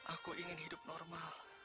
aku ingin hidup normal